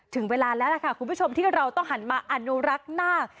ถึงเวลาแล้วล่ะค่ะคุณผู้ชมที่เราต้องหันมาอนุรักษ์นาค